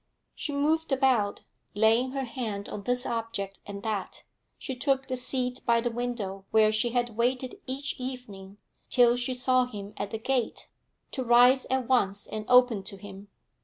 She moved about, laying her hand on this object and that; she took the seat by the window where she had waited each evening, till she saw him at the gate, to rise at once and open to him.